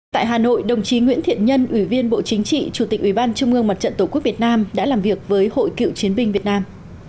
tại hà nội đồng chí nguyễn thiện nhân ủy viên bộ chính trị chủ tịch ủy ban trung ương mặt trận tổ quốc việt nam đã làm việc với hội cựu chiến binh việt nam